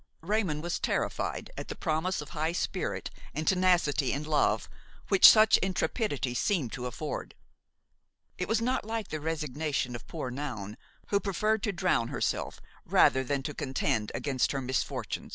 Raymon was terrified at the promise of high spirit and tenacity in love which such intrepidity seemed to afford. It was not like the resignation of poor Noun, who preferred to drown herself rather than to contend against her misfortunes.